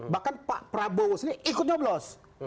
bahkan pak prabowo sendiri ikut nyoblos